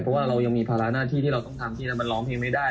เพราะว่าเรายังมีภาระหน้าที่ที่เราต้องทำที่แล้วมันร้องเพลงไม่ได้